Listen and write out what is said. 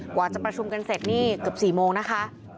กว่าจะประชุมกันเสร็จนี่เกือบ๔โมงนะคะ